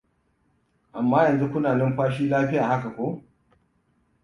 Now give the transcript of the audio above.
amman yanzu kuna ninfashi lafiya haka ko?